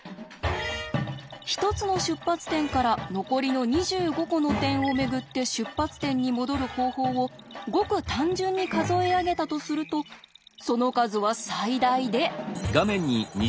１つの出発点から残りの２５個の点を巡って出発点に戻る方法をごく単純に数え上げたとするとその数は最大で。